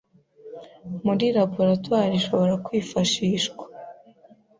muri laboratoire rishobora kwifashishwa